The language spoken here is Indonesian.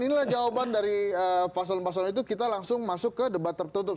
inilah jawaban dari pasal pasal itu kita langsung masuk ke debat tertutup